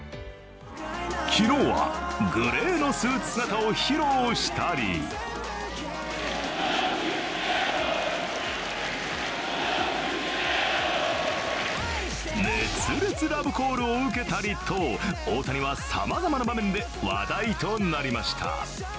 昨日はグレーのスーツ姿を披露したり熱烈ラブコールを受けたりと大谷はさまざまな場面で話題となりました。